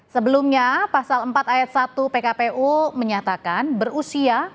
sebelumnya pasal empat ayat satu pkpu menyatakan berusia